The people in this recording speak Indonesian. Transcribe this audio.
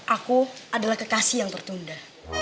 aku adalah kekasih yang tertunda